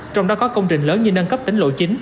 trong đó có công trình lớn như nâng cấp tính lộ chín